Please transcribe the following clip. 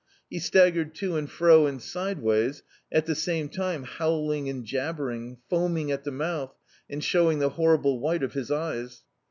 He staggered to and fro and sideways, at the same time howling and jabbering, foaming at the mouth, and showing the horrible white of his eyes.